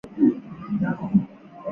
子产并不加讨伐。